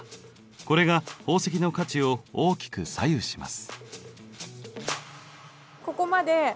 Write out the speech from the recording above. これが宝石の価値を大きく左右します。